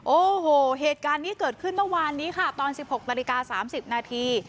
โอ้โหเหตุการณ์นี้เกิดขึ้นเมื่อวานนี้ค่ะตอน๑๖นาฬิกา๓๐นาที